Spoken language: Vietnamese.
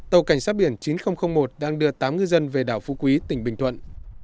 tàu cảnh sát biển chín nghìn một đang đưa tám ngư dân về đảo phú quý tỉnh bình thuận